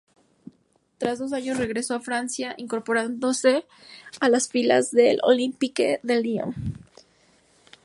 Tras dos años, regresó a Francia, incorporándose a las filas del Olympique de Lyon.